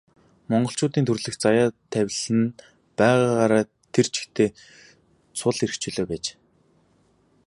Монголчуудын төрөлх заяа тавилан нь байгаагаараа тэр чигтээ цул эрх чөлөө байж.